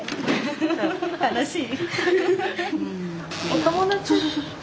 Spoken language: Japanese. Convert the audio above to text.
楽しい。